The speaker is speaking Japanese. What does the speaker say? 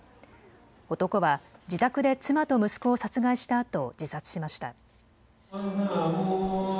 男は自宅で妻と息子を殺害したあと自殺しました。